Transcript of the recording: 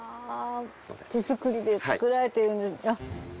手作りで作られているんで。